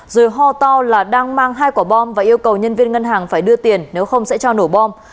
rồi ho to là đang mang hai quả bom và yêu cầu nhân viên ngân hàng phải đưa tiền nếu không sẽ cho nổ bom